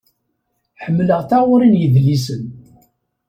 Ḥemmleɣ taɣuṛi n yedlisen.